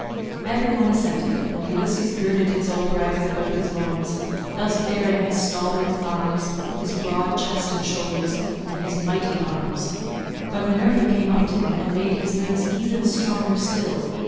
Every one assented, and Ulysses girded his old rags about his loins, thus baring his stalwart thighs, his broad chest and shoulders, and his mighty arms; but Minerva came up to him and made his limbs even stronger still.